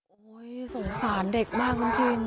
โอ้ยสงสารเด็กมากจริง